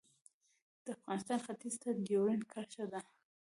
د افغانستان ختیځ ته ډیورنډ کرښه ده